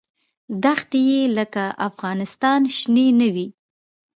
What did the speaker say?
دښتې یې لکه افغانستان شنې نه وې.